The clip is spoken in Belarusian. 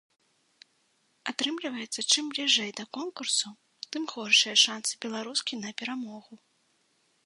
Атрымліваецца, чым бліжэй да конкурсу, тым горшыя шансы беларускі на перамогу.